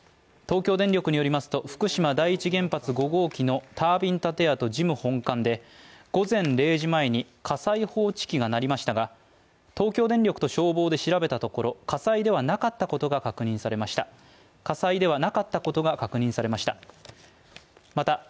東京電力によりますと、福島第１原発５号機のタービン建屋と事務本館で午前０時前に火災報知機が鳴りましたが、東京電力と消防で調べたところ、火災ではなかったことが確認されました。